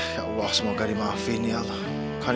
ya allah semoga dimahamin